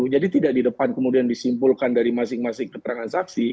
jadi tidak di depan kemudian disimpulkan dari masing masing keterangan saksi